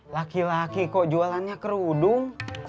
laki laki kok jualannya kerudung